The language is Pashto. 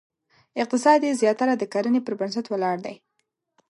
اقتصاد یې زیاتره د کرنې پر بنسټ ولاړ دی.